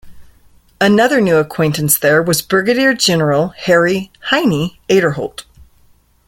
Another new acquaintance there was Brigadier General Harry "Heinie" Aderholt.